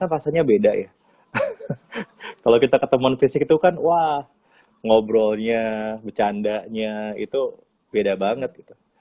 rasanya beda ya kalau kita ketemuan fisik itu kan wah ngobrolnya bercandanya itu beda banget gitu